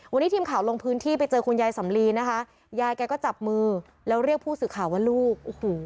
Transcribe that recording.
วันนี้ทีมข่าวลงพื้นที่ไปเจอคุณยายสำลีนะคะยายแกก็จับมือแล้วเรียกผู้สื่อข่าวว่าลูกโอ้โห